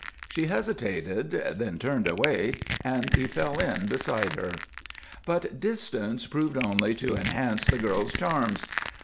She hesitated, then turned away and he fell in behind her. But distance served only to enhance the girl's charms.